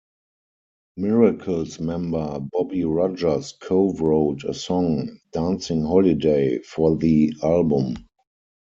Miracles member Bobby Rogers co-wrote a song "Dancin' Holiday" for the album.